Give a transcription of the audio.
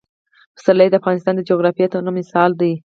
پسرلی د افغانستان د جغرافیوي تنوع مثال دی.